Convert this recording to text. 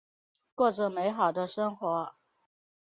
过着美好的生活。